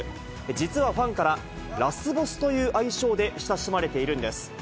実はファンから、ラスボスという愛称で親しまれているんです。